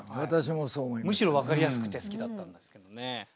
むしろ分かりやすくて好きだったんですけどね。